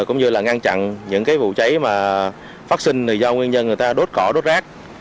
cũng như là ngăn chặn những vụ cháy phát sinh do nguyên nhân đốt cỏ đốt rác